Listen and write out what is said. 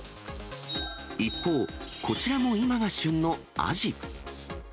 一方、こちらも今が旬のアジ。